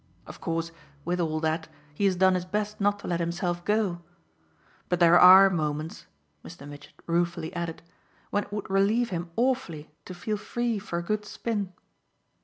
Of course, with all that, he has done his best not to let himself go. But there are moments," Mr. Mitchett ruefully added, "when it would relieve him awfully to feel free for a good spin."